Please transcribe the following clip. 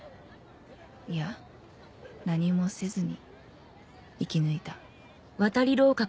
いや何もせずに生き抜いた